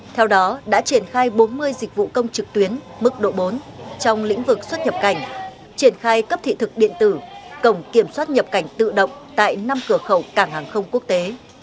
theo đó đã triển khai bốn mươi dịch vụ công trực tuyến mức độ bốn trong lĩnh vực xuất nhập cảnh triển khai cấp thị thực điện tử cổng kiểm soát nhập cảnh tự động tại năm cửa khẩu cảng hàng không quốc tế